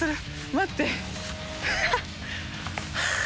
待って。